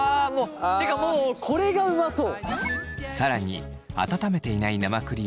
てかもうこれがうまそう。